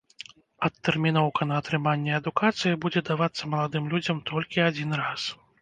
Адтэрміноўка на атрыманне адукацыі будзе давацца маладым людзям толькі адзін раз.